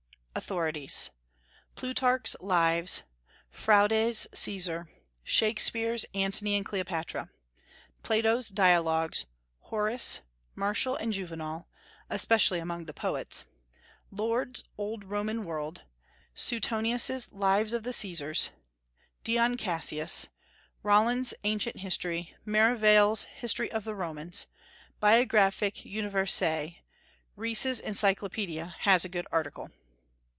AUTHORITIES. Plutarch's Lives; Froude's Caesar; Shakspeare's Antony and Cleopatra; Plato's Dialogues; Horace, Martial, and Juvenal, especially among the poets; Lord's Old Roman World; Suetonius's Lives of the Caesars; Dion Cassius; Rollin's Ancient History; Merivale's History of the Romans; Biographic Universelle; Rees's Encyclopedia has a good article.